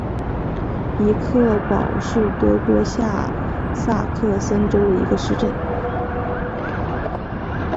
比克堡是德国下萨克森州的一个市镇。